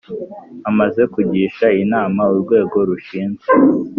Amaze kugisha inama urwego rushinzwe